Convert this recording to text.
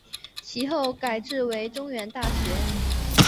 其后改制为中原大学。